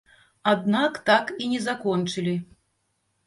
Аднак так і не закончылі.